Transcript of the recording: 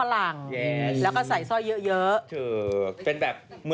จากธนาคารกรุงเทพฯ